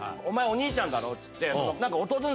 お前お兄ちゃんだろっつって。